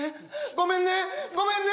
ごめんねごめんね！